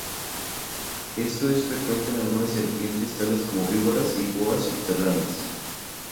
Esto es frecuente en algunas serpientes tales como víboras y boas subterráneas.